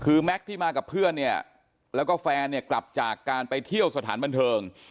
คือแม็กซ์ที่มากับเพื่อนเนี่ยแล้วก็แฟนเนี่ยกลับจากการไปเที่ยวสถานบันเทิง